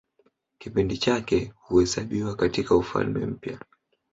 Kipindi chake huhesabiwa katIka Ufalme Mpya.